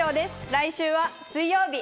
来週は水曜日！